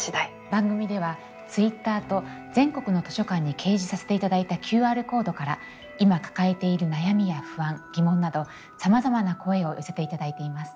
番組ではＴｗｉｔｔｅｒと全国の図書館に掲示させていただいたＱＲコードから今抱えている悩みや不安疑問などさまざまな声を寄せていただいています。